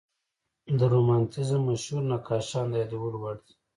د رومانتیزم مشهور نقاشان د یادولو وړ دي.